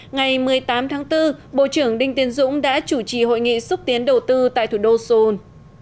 ngày một mươi tám tháng bốn bộ trưởng đinh tiên dũng đã chủ trì hội nghị xúc tiến đầu tư tại thủ đô seoul